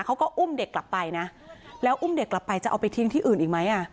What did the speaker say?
เขาก็อุ้มเด็กกลับไปนะแล้วอุ้มเด็กกลับไปจะเอาไปทิ้งที่อื่นอีกไหมอ่ะ